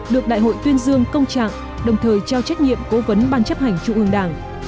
được đại hội tuyên dương công trạng đồng thời trao trách nhiệm cố vấn ban chấp hành trung ương đảng